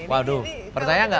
waduh percaya nggak